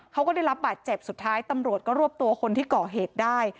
เขาก็ได้รับบาดเจ็บสุดท้ายตำรวจก็รวบตัวคนที่ก่อเหตุได้